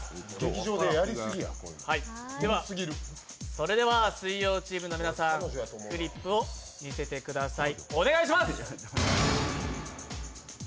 それでは水曜チームの皆さん、フリップを見せてください。